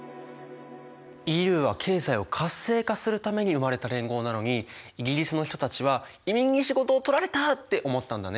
ＥＵは経済を活性化するために生まれた連合なのにイギリスの人たちは「移民に仕事をとられた！」って思ったんだね。